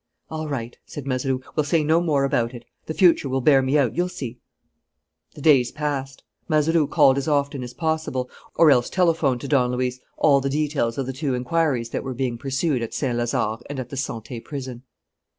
"All right," said Mazeroux, "we'll say no more about it. The future will bear me out, you'll see." The days passed. Mazeroux called as often as possible, or else telephoned to Don Luis all the details of the two inquiries that were being pursued at Saint Lazare and at the Santé Prison.